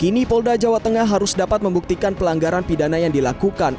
kini polda jawa tengah harus dapat membuktikan pelanggaran pidana yang dilakukan